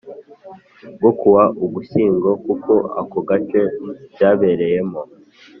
bwo ku wa Ugushyingo kuko ako gace byabereyemo